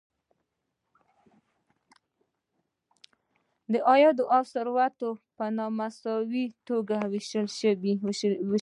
عاید او ثروت په نا مساوي توګه ویشل شوی.